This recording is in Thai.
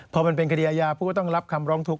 พอมันเป็นคดีอาญาผู้ก็ต้องรับคำร้องทุกข